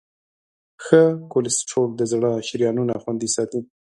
ښه کولیسټرول د زړه شریانونه خوندي ساتي.